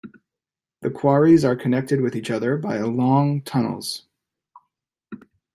The quarries are connected with each other by long tunnels.